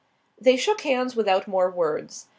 They shook hands without more words.